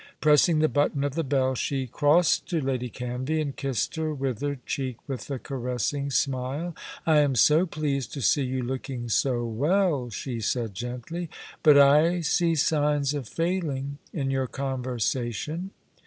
Pressing the button of the bell, she crossed to Lady Canvey and kissed her withered cheek with a caressing smile. "I am so pleased to see you looking so well," she said gently; "but I see signs of failing in your conversation."